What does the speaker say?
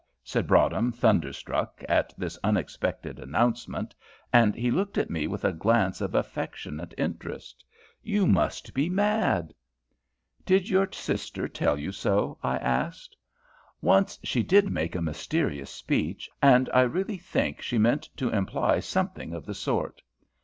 said Broadhem, thunderstruck at this unexpected announcement; and he looked at me with a glance of affectionate interest. "You must be mad." "Did your sister tell you so?" I asked. "Once she did make a mysterious speech, and I really think she meant to imply something of the sort.